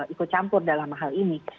ikut campur dalam hal ini